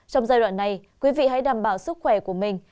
trong giai đoạn này quý vị hãy đảm bảo sức khỏe của mình